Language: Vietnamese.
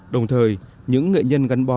đồng thời những nghệ nhân gắn bó